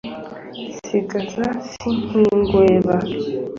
Sigagaza si nk'ingweba